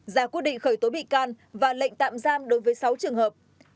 ra quyết định khởi tố bị can và lệnh tạm giam đối với sáu trường hợp